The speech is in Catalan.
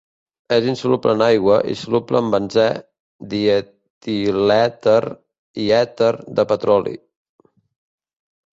És insoluble en aigua i soluble en benzè, dietilèter i èter de petroli.